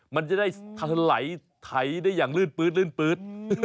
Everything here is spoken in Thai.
มันจะได้ถลายไถได้อย่างลื่นปืด